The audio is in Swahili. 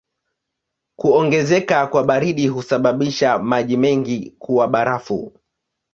Kuongezeka kwa baridi husababisha maji mengi kuwa barafu.